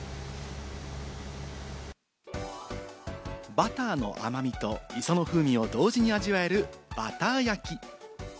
バターの甘みと磯の風味を同時に味わえるバター焼き。